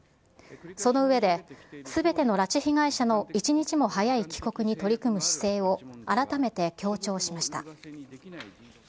その上で、すべての拉致被害者の一日も早い帰国に取り組む姿勢を改めて強調しました。